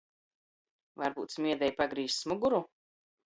Varbyut smēdei pagrīzs muguru?